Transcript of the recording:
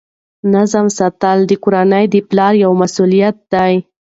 نظم ساتل د کورنۍ د پلار یوه مسؤلیت ده.